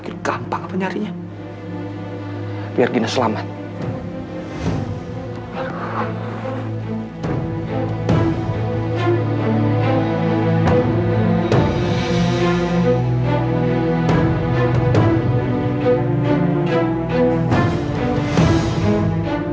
dia yang membuat kekacauan dia yang membuat kesalahan